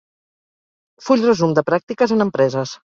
Full resum de pràctiques en empreses.